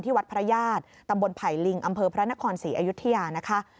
วัดพระญาติตำบลไผ่ลิงอำเภอพระนครศรีอยุธยานะคะ